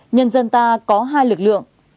nhân dân ta có hai lực lượng